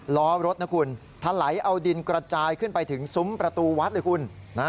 ล้อรถนะคุณทะไหลเอาดินกระจายขึ้นไปถึงซุ้มประตูวัดเลยคุณ